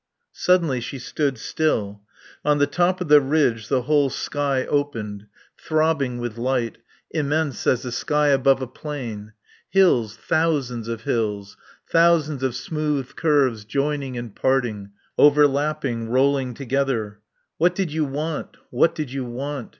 Suddenly she stood still. On the top of the ridge the whole sky opened, throbbing with light, immense as the sky above a plain. Hills thousands of hills. Thousands of smooth curves joining and parting, overlapping, rolling together. What did you want? What did you want?